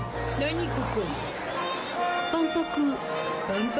万博。